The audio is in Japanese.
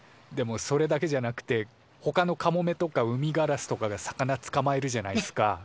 でもそれだけじゃなくてほかのカモメとかウミガラスとかが魚つかまえるじゃないっすか。